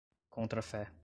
contrafé